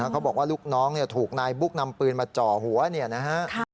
เขาบอกว่าลูกน้องถูกนายบุ๊คนำปืนมาเจาะหัว